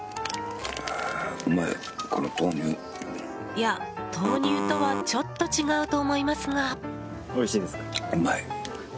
いや、豆乳とはちょっと違うと思いますが。